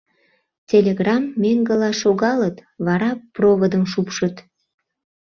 Телеграмм меҥгыла шогалыт, вара проводым шупшыт.